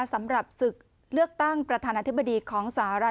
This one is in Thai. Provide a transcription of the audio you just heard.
สำหรับศึกเลือกตั้งประธานาธิบดีของสหรัฐ